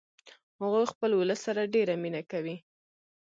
هغوی خپل ولس سره ډیره مینه کوي